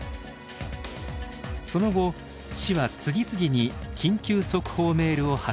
その後市は次々に緊急速報メールを発信。